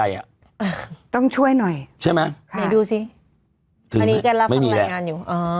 อ่ะต้องช่วยหน่อยใช่ไหมค่ะนี่ดูสิอันนี้กันรับฝั่งแรงงานอยู่อ๋อ